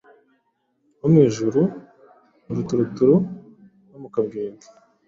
wo mu ijuru mu ruturuturu no mu kabwibwi.